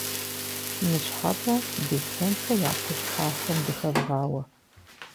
Ныщхьэбэ Беслъэнхэ я кхъужь пасэм дыхэвгъауэ.